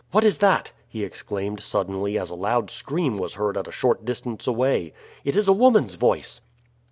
What is that?" he exclaimed suddenly as a loud scream was heard at a short distance away. "It is a woman's voice."